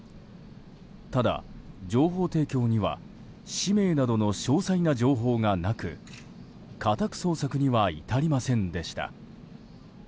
ただ、情報提供には氏名などの詳細な情報がなく家宅捜索には至りませんでした。